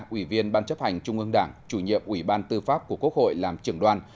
ủy viên ban chấp hành trung ương đảng chủ nhiệm ủy ban tư pháp của quốc hội làm trưởng đoàn